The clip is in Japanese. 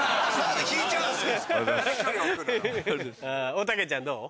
おたけちゃんどう？